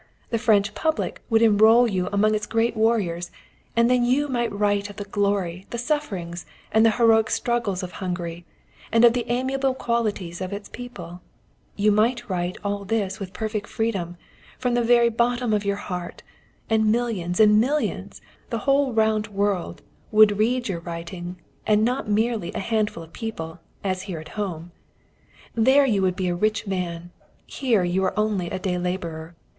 The French public would enrol you among its great writers, and then you might write of the glory, the sufferings, and the heroic struggles of Hungary, and of the amiable qualities of its people; you might write all this with perfect freedom, from the very bottom of your heart, and millions and millions, the whole round world, would read your writings, and not merely a handful of people, as here at home. There you would be a rich man, here you are only a day labourer.